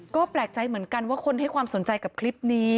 ก็แปลกใจเหมือนกันว่าคนให้ความสนใจกับคลิปนี้